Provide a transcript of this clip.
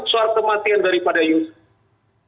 suara kematian daripada yusuf